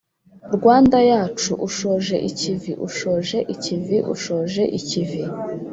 rwanda yacu ushoje ikivi , ushoje ikivi () ushoje ikivi ()